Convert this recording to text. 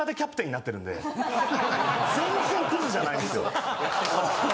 全然クズじゃないんっすよ。